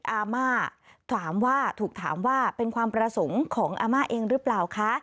อาม่าถามว่าถูกถามว่าเป็นความประสงค์ของอาม่าเองหรือเปล่าคะ